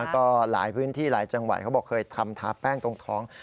ก็หลายพื้นที่หลายจังหวัดเขาบอกเคยทำทาแป้งตรงท้อง